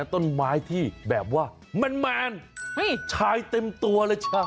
ต้นไม้ที่แบบว่าแมนชายเต็มตัวเลยจ้ะ